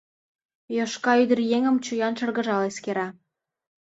Йошка ӱдыръеҥым чоян шыргыжал эскера.